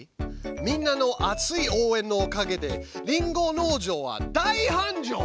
みんなの熱い応えんのおかげでリンゴ農場は大はんじょう」。